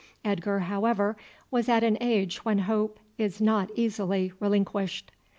Edgar, however was at an age when hope is not easily relinquished.